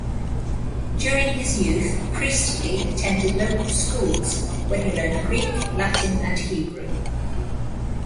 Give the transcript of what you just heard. During his youth, Priestley attended local schools where he learned Greek, Latin, and Hebrew.